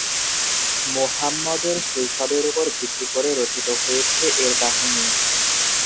মুহাম্মদের শৈশবের উপর ভিত্তি করে রচিত হয়েছে এর কাহিনী।